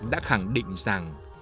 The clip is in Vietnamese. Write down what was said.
đã khẳng định rằng